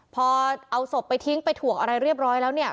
พอเอาศพไปทิ้งไปถ่วงอะไรเรียบร้อยแล้วเนี่ย